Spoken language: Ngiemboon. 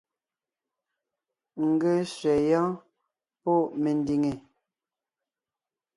N ge sẅɛ yɔ́ɔn pɔ́ mendìŋe!